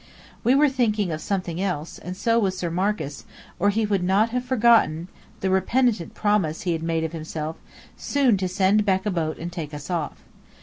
We were thinking of something else; and so was Sir Marcus, or he would not have forgotten the repentant promise he made himself, soon to send back a boat and take us off.